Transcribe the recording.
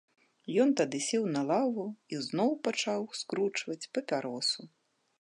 Ён тады сеў на лаву і зноў пачаў скручваць папяросу.